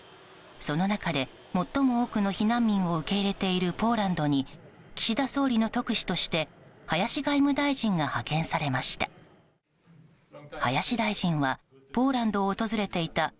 その中で最も多くの避難民を受け入れているポーランドに岸田総理の特使として林外務大臣が派遣されました。